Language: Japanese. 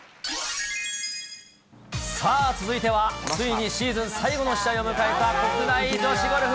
さあ、続いては、ついにシーズン最後の試合を迎えた、国内女子ゴルフ。